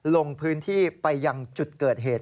ลงพื้นที่ไปยังจุดเกิดเหตุ